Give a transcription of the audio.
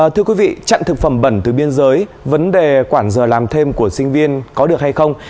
thưa quý vị chặn thực phẩm bẩn từ biên giới vấn đề quản giờ làm thêm của sinh viên có được hay không